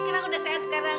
kan aku udah sehat sekarang